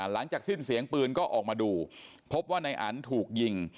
หลังจากสิ้นเสียงปืนก็ออกมาดูพบว่านายอันถูกยิง